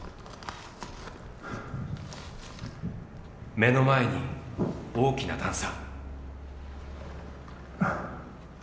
目の前に大きな段差。